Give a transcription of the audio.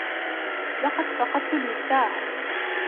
لقد فقدتُ المفتاح